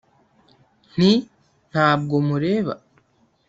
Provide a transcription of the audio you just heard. nti: ntabwo mureba